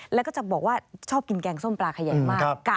แล้วก็จะบอกว่าชอบกินแกงส้มปลาขยันมาก